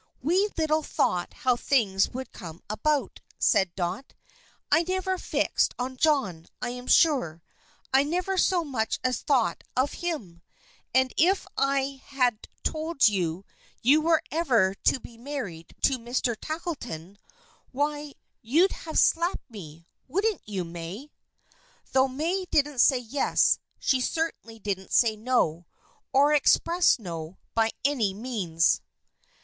"We little thought how things would come about," said Dot. "I never fixed on John, I'm sure; I never so much as thought of him. And if I had told you you were ever to be married to Mr. Tackleton why, you'd have slapped me, wouldn't you, May?" Though May didn't say yes, she certainly didn't say no, or express no, by any means.